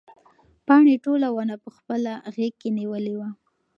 پاڼې ټوله ونه په خپله غېږ کې نیولې وه.